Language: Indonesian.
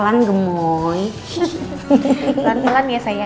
jadi gak mungkin dvd itu ada di angga